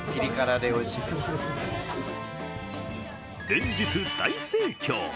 連日大盛況。